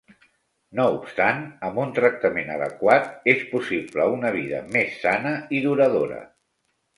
No obstant, amb un tractament adequat, és possible una vida més sana i duradora.